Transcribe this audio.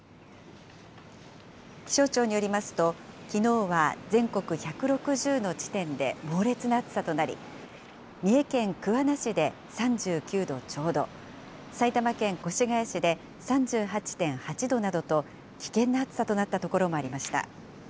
気象庁によりますと、きのうは全国１６０の地点で猛烈な暑さとなり、三重県桑名市で３９度ちょうど、埼玉県越谷市で３８．８度などと、危険な暑さとなった所もありました。